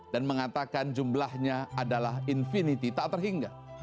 dan mengatakan jumlahnya adalah infinity tak terhingga